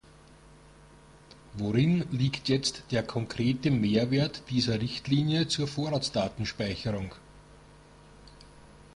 Worin liegt jetzt der konkrete Mehrwert dieser Richtlinie zur Vorratsdatenspeicherung?